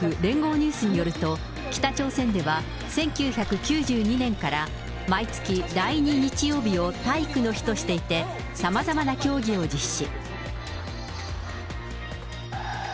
ニュースによると、北朝鮮では１９９２年から、毎月第２日曜日を体育の日としていて、さまざまな競技を実施。